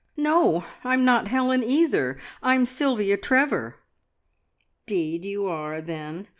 "No, I'm not Helen either. I'm Sylvia Trevor." "'Deed, you are, then!